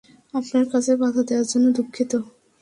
আপনার কাজে বাধা দেওয়ার জন্য দুঃখিত।